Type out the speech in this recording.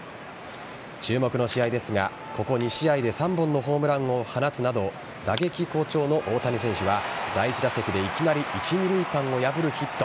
注目の試合ですがここ２試合で３本のホームランを放つなど打撃好調の大谷選手は第１打席でいきなり一・二塁間を破るヒット。